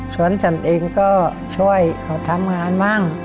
ส่วนฉันเองก็ช่วยเขาทำงานบ้าง